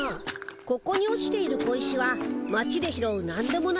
ここに落ちている小石は町で拾うなんでもない